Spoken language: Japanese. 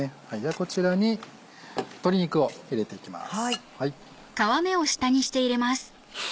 こちらに鶏肉を入れていきます。